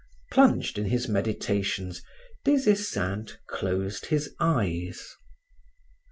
Plunged in his meditations, Des Esseintes closed his eyes.